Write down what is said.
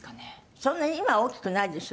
そんなに今は大きくないですよ